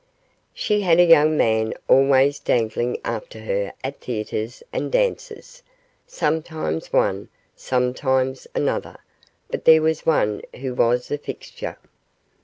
She had a young man always dangling after her at theatres and dances sometimes one, sometimes another, but there was one who was a fixture.